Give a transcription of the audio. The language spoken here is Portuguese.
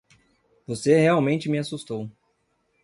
Você realmente me assustou.